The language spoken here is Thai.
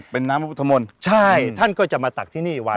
เป็นน้ำพุทธมนต์ใช่เธ้าจะมาตักที่นี่ไว้